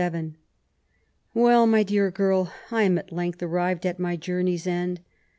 Well, my dear girl, I am at length arriyed at my joomey'B end.